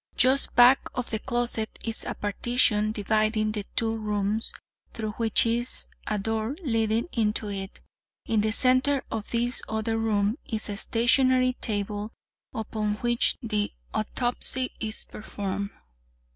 Just back of the closet is a partition dividing the two rooms, through which is a door leading into it. In the center of this other room is a stationary table, upon which the autopsy is performed.